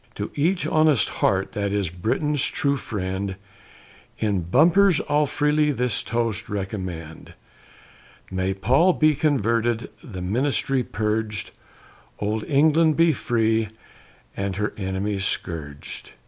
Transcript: To each honest heart that is Britain's true friend, In bumpers I'll freely this toast recommend, May Paul be converted, the Ministry purg'd, Old England be free, and her enemies scourg'd!